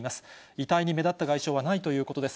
遺体に目立った外傷はないということです。